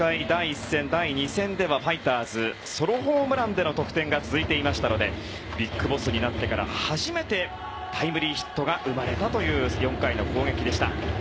第１戦、第２戦ではファイターズソロホームランでの得点が続いていましたのでＢＩＧＢＯＳＳになってから初めてタイムリーヒットが生まれたという４回の攻撃でした。